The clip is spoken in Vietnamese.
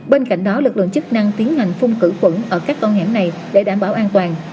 bên cạnh đó lực lượng chức năng tiến hành phung cử quẩn ở các con hẻm này để đảm bảo an toàn